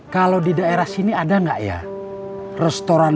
yaudah pebli jalan